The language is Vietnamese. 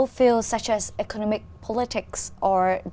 đầu tiên tôi muốn nói với các bạn rằng